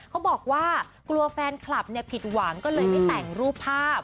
เขาบอกว่ากลัวแฟนคลับผิดหวังก็เลยไม่แต่งรูปภาพ